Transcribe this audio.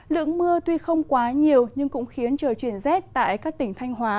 lượng mưa tuy không quá nhiều nhưng cũng khiến trời chuyển rét tại các tỉnh thanh hóa